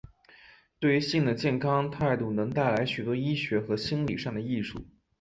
对于性的健康态度能带来许多医学和心里上的益处。